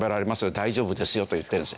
大丈夫ですよと言ってるんです。